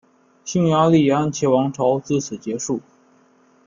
匈牙利安茄王朝自此结束。